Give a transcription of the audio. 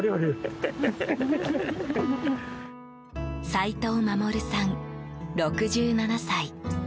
齋藤衛さん、６７歳。